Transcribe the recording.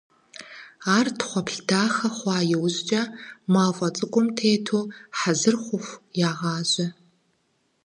Ар тхъуэплъ дахэ хъуа иужькӀэ, мафӀэ цӀыкӀум тету хьэзыр хъуху ягъажьэ.